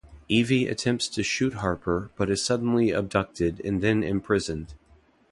Evey attempts to shoot Harper, but is suddenly abducted and then imprisoned.